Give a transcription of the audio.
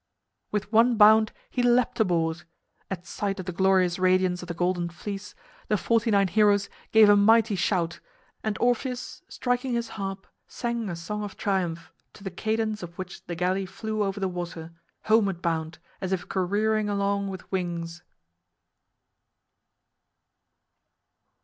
With one bound he leaped aboard. At sight of the glorious radiance of the Golden Fleece, the forty nine heroes gave a mighty shout, and Orpheus, striking his harp, sang a song of triumph, to the cadence of which the galley flew over the water, homeward bound, as if careering along with wings!